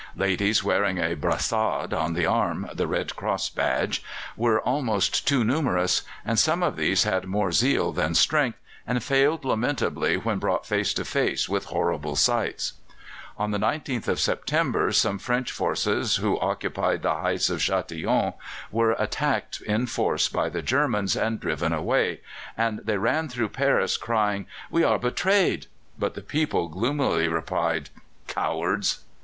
Ladies wearing a brassard on the arm (the Red Cross badge) were almost too numerous; and some of these had more zeal than strength, and failed lamentably when brought face to face with horrible sights. On the 19th of September some French forces, who occupied the heights of Chatillon, were attacked in force by the Germans, and driven away, and they ran through Paris crying, "We are betrayed!" but the people gloomily replied, "Cowards!"